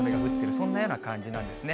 そんなような感じなんですね。